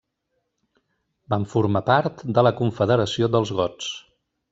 Van formar part de la Confederació dels gots.